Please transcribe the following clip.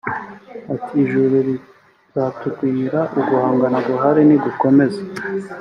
ati ijuru rizatugwira uguhangana guhar nigukomeza